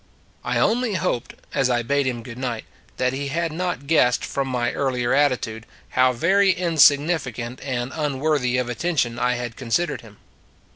I only hoped, as I bade him good night, that he had not guessed, from my earlier attitude, how very insignificant and un worthy of attention I had considered him.